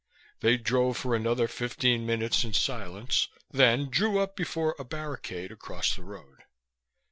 They drove for another fifteen minutes in silence, then drew up before a barricade across the road.